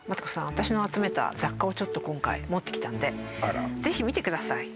私の集めた雑貨をちょっと今回持ってきたんであらぜひ見てください